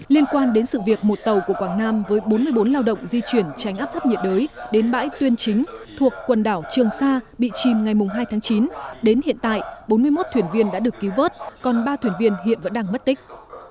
liên quan đến sự việc một tàu của quảng nam với bốn mươi bốn lao động di chuyển tránh áp thấp nhiệt đới đến bãi tuyên chính thuộc quần đảo trường sa bị chìm ngày hai tháng chín đến hiện tại bốn mươi một thuyền viên đã được cứu vớt còn ba thuyền viên hiện vẫn đang mất tích